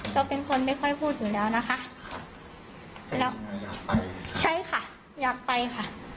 เราเป็นคนไม่ค่อยพูดอยู่แล้วนะคะแล้วใช่ค่ะอยากไปค่ะ